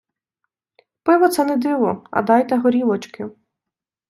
Пиво це не диво, а дайте горілочки.